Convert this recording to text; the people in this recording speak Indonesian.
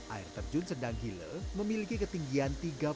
air terjun sendang gile memiliki ketinggian